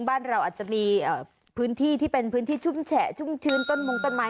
บ้านเราอาจจะมีพื้นที่ที่เป็นพื้นที่ชุ่มแฉะชุ่มชื้นต้นมงต้นไม้